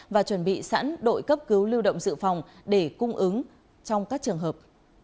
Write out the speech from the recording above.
và chuẩn bị sẵn đội cấp cứu lưu động dự phòng để cung ứng trong các trường hợp